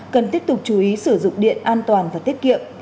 cần tiếp tục chú ý sử dụng điện an toàn và tiết kiệm